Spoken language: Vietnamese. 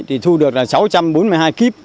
thì thu được sáu trăm bốn mươi hai kiếp